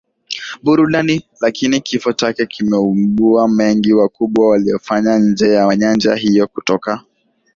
burudani lakini kifo chake kimeibua mengi makubwa aliyofanya nje ya nyanja hiyo Kutoka